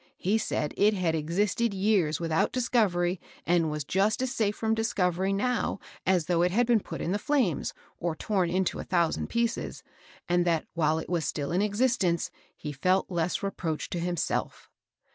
He said it had existed years without discovery, and was just as safe from discovery now as though it had been put in the flames, or torn into a thousand pieces^ and that while it was still in existence he felt less reproach to himself.